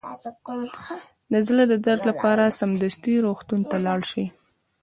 د زړه د درد لپاره سمدستي روغتون ته لاړ شئ